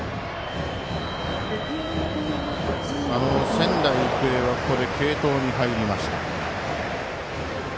仙台育英は継投に入りました。